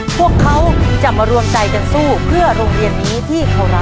พวกเขาจะมารวมใจกันสู้เพื่อโรงเรียนนี้ที่เขารัก